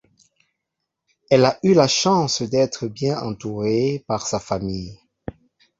Elle a eu la chance d'être bien entourée par sa famille.